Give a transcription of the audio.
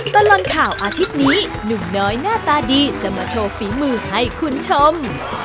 ตลอดข่าวอาทิตย์นี้หนุ่มน้อยหน้าตาดีจะมาโชว์ฝีมือให้คุณผู้ชม